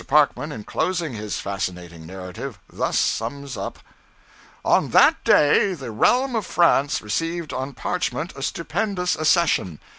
Parkman, in closing his fascinating narrative, thus sums up: 'On that day, the realm of France received on parchment a stupendous accession.